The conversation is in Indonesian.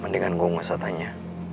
mendingan gue gak usah tanya